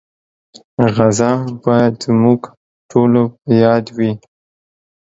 غزه باید زموږ ټولو په یاد وي.